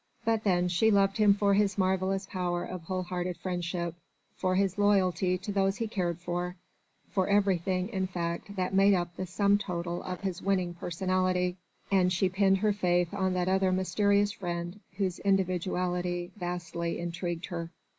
But then she loved him for his marvellous power of whole hearted friendship, for his loyalty to those he cared for, for everything in fact that made up the sum total of his winning personality, and she pinned her faith on that other mysterious friend whose individuality vastly intrigued her.